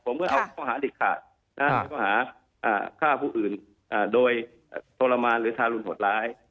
ผมก็เอาเขาหาลิขาดเขาหาฆ่าผู้อื่นโดยทรมานหรือทารุณหดร้าย